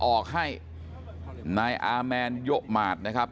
ออกให้นายอาแมนโยหมาดนะครับ